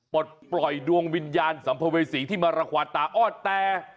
ปลดปล่อยดวงวิญญาณสัมภเวษีที่มาระควานตาอ้อนแต่